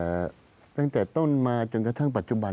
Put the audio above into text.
ตั้งแต่ต้นมาจนกระทั่งปัจจุบัน